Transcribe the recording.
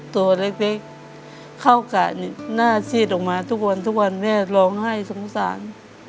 ตัวเล็กเข้ากะนี่หน้าซีดออกมาทุกวันทุกวันแม่ร้องไห้สงสาร